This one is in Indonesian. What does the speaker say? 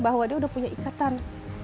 bahwa dia udah punya ikatan